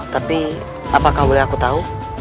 tapi apakah boleh aku tahu